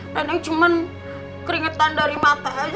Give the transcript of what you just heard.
neneng cuman keringetan dari mata aja